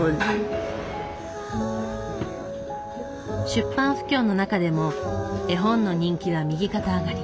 出版不況の中でも絵本の人気は右肩上がり。